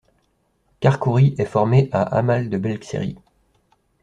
Karkouri est formé à Amal de Belksiri.